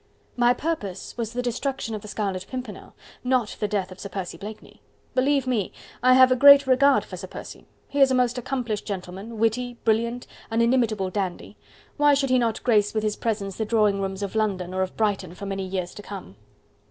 "My purpose was the destruction of the Scarlet Pimpernel, not the death of Sir Percy Blakeney. Believe me, I have a great regard for Sir Percy. He is a most accomplished gentleman, witty, brilliant, an inimitable dandy. Why should he not grace with his presence the drawing rooms of London or of Brighton for many years to come?"